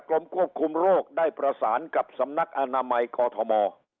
กรมควบคุมโรคได้ประสานกับสำนักอนามัยกอทม